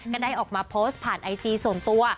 ก็ได้ออกมาโพสต์ผ่านไอจีส่วนตัว